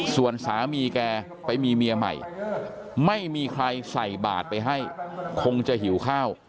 ส่วนสามีแกไปมีเมียใหม่ไม่มีใครใส่บาทไปให้คงจะหิวข้าว